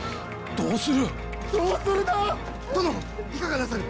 どうする！？